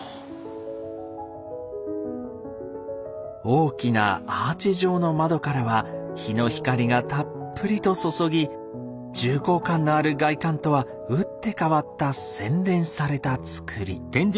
大きなアーチ状の窓からは日の光がたっぷりと注ぎ重厚感のある外観とは打って変わった洗練された造り。